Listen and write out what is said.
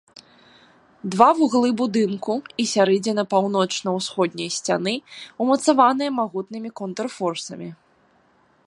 Два вуглы будынку і сярэдзіна паўночна-ўсходняй сцяны ўмацаваныя магутнымі контрфорсамі.